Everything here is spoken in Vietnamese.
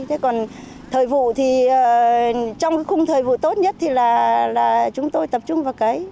thế còn thời vụ thì trong khung thời vụ tốt nhất thì là chúng tôi tập trung vào cấy